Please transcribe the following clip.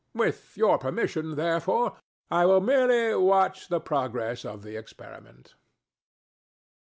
With your permission, therefore, I will merely watch the progress of the experiment."